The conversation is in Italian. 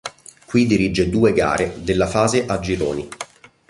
Qui dirige due gare della fase a gironi.